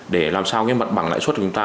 để làm sao cái mặt bằng lãi suất của chúng ta